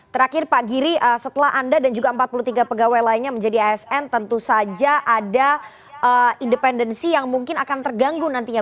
terakhir pak giri setelah anda dan juga empat puluh tiga pegawai lainnya menjadi asn tentu saja ada independensi yang mungkin akan terganggu nantinya